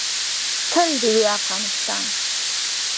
تل دې وي افغانستان.